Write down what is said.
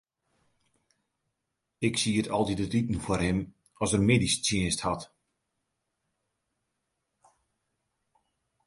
Ik sied altyd it iten foar him as er middeistsjinst hat.